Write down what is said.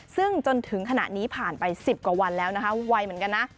ซึ่งจนถึงขณะนี้ผ่านไป๑๐กว่าวันแล้วนะคะไวเหมือนกันนะ